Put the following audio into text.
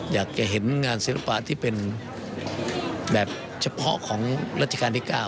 อยากจะเห็นงานศิลปะที่เป็นแบบเฉพาะของรัชกาลที่๙